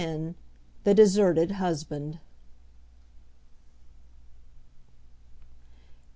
THE DESERTED HUSBAND.